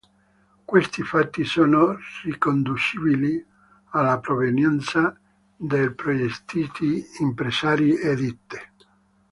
Questi fatti sono riconducibili alla provenienza dei progettisti, impresari e ditte.